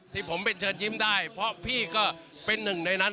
ที่ผมเป็นเชิญยิ้มได้เพราะพี่ก็เป็นหนึ่งในนั้น